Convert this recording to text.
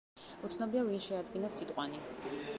უცნობია, ვინ შეადგინა სიტყვანი.